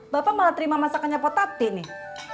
bapak malah terima masakannya potape nih